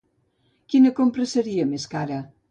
Quina compra seria més cara?